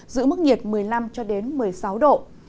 giữ mức nhiệt một mươi năm một mươi sáu độ